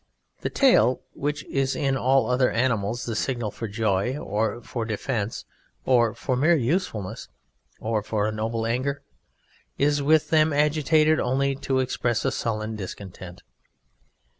The tail, which is in all other animals the signal for joy or for defence, or for mere usefulness, or for a noble anger, is with Them agitated only to express a sullen discontent.